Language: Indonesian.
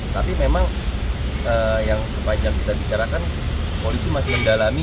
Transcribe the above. tapi memang yang sepanjang kita bicarakan polisi masih mendalami